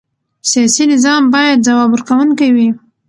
سیاسي نظام باید ځواب ورکوونکی وي